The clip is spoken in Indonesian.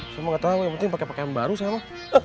semua gak tau yang penting pakai pakai yang baru sih apa